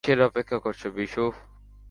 কীসের অপেক্ষা করছো, বিশু?